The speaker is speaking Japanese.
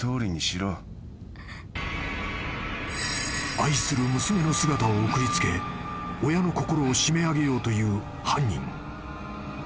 ［愛する娘の姿を送りつけ親の心を締め上げようという犯人］